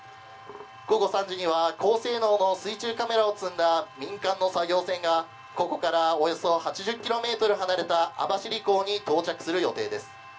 午後３時には高性能の水中カメラを積んだ民間の作業船がここからおよそ８０ｋｍ離れた網走港に到着する予定です。